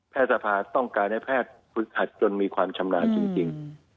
สภาต้องการให้แพทย์ฝึกหัดจนมีความชำนาญจริง